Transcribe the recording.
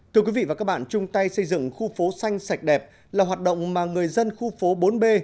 thưa quý vị và các bạn chung tay xây dựng khu phố xanh sạch đẹp là hoạt động mà người dân khu phố bốn b